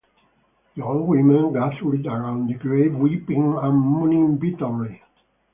The old women gathered around the grave weeping and moaning bitterly.